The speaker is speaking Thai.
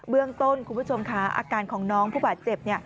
เรื่องต้นคุณผู้ชมค่ะอาการของน้องผู้บาดเจ็บ